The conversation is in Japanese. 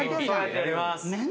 ・やります・